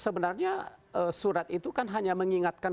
sebenarnya surat itu kan hanya mengingatkan